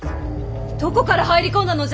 どこから入り込んだのじゃ！